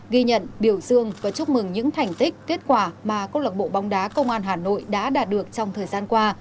ghi nhận biểu dương và chúc mừng những thành tích kết quả mà công lạc bộ bóng đá công an hà nội đã đạt được trong thời gian qua